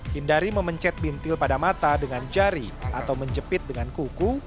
hindari memencet bintil pada mata dengan jari atau menjepit dengan kuku